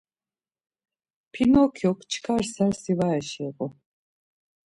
Pinokyok çkar sersi var eşiğu.